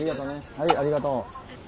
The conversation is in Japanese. はいありがとう。